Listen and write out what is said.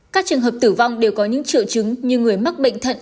các trường hợp tử vong đều có những triệu chứng như người mắc bệnh thận